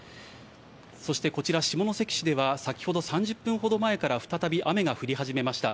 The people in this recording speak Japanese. そして、こちら下関市では、先ほど３０分ほど前から再び雨が降り始めました。